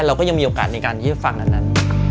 มันมันก็จะมีโอกาสในการฟังอันนั้น